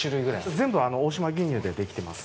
全部、大島牛乳でできています。